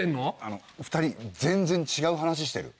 ２人全然違う話してる。